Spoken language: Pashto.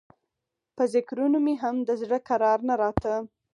په ذکرونو مې هم د زړه کرار نه راته.